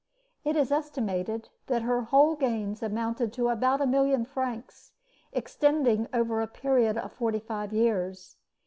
It is estimated that her whole gains amounted to about a million francs, extending over a period of forty five years.